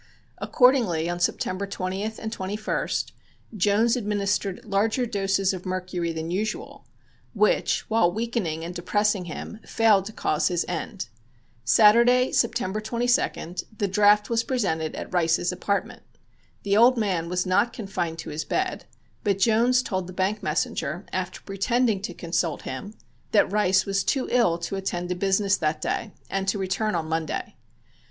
Accordingly, on September 20th and 21st, Jones administered larger doses of mercury than usual, which, while weakening and depressing him, failed to cause his end. Saturday, September 22d, the draft was presented at Rice's apartment. The old man was not confined to his bed, but Jones told the bank messenger, after pretending to consult him, that Rice was too ill to attend to business that day and to return on Monday.